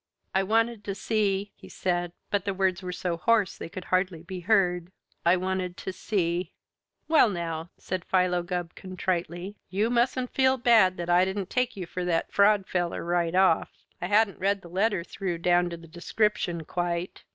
"I wanted to see," he said, but the words were so hoarse they could hardly be heard, "I wanted to see " "Well, now," said Philo Gubb contritely, "you mustn't feel bad that I didn't take you for that fraud feller right away off. I hadn't read the letter through down to the description quite.